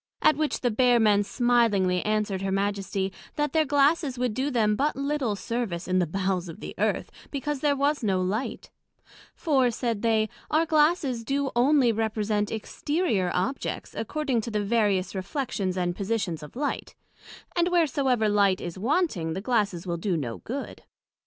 At which the Bear men smilingly answered her Majesty, that their Glasses would do them but little service in the bowels of the Earth, because there was no light; for, said they, our Glasses do onely represent exterior objects, according to the various reflections and positions of light; and wheresoever light is wanting, the glasses wil do no good.